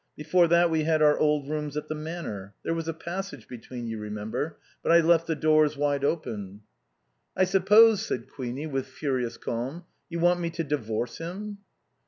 Before that we had our old rooms at the Manor. There was a passage between, you remember. But I left the doors wide open." "I suppose," said Queenie, with furious calm, "you want me to divorce him?"